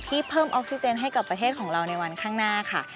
เพิ่มออกซิเจนให้กับประเทศของเราในวันข้างหน้าค่ะ